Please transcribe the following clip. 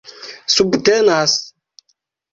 subtenas